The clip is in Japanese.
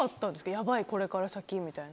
やばい、これから先みたいな。